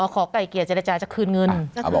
ขอไก่เกียร์จะได้จ่ายจะคืนเงิน